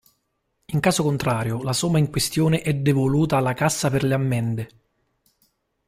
In caso contrario, la somma in questione è devoluta alla cassa per le ammende.